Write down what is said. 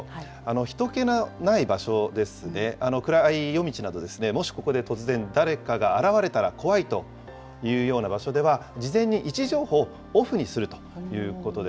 ひと気のない場所ですね、暗い夜道などですね、もしここで突然、誰かが現れたら怖いというような場所では、事前に位置情報をオフにするということです。